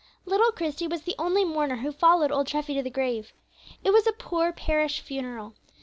Little Christie was the only mourner who followed old Treffy to the grave. It was a poor parish funeral.